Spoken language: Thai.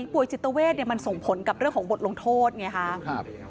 ป่วยจิตเวทมันส่งผลกับเรื่องของบทลงโทษไงคะ